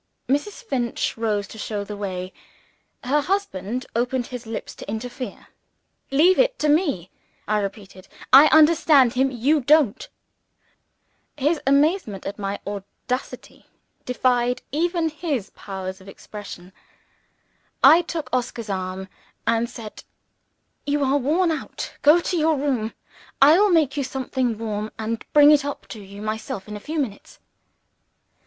Mrs. Finch rose to show the way. Her husband opened his lips to interfere. "Leave it to me," I repeated. "I understand him; and you don't." For once in his life, the Pope of Dimchurch was reduced to silence. His amazement at my audacity defied even his powers of expression. I took Oscar's arm, and said, "You are worn out. Go to your room. I will make you something warm and bring it up to you myself in a few minutes."